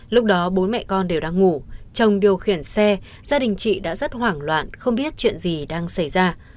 lúc đó bố mẹ con đều đang ngủ chồng điều khiển xe gia đình chị đã rất hoảng loạn không biết chuyện gì đang xảy ra